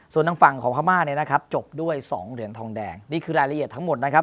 ส่วนทางฝั่งของพม่าเนี่ยนะครับจบด้วยสองเหรียญทองแดงนี่คือรายละเอียดทั้งหมดนะครับ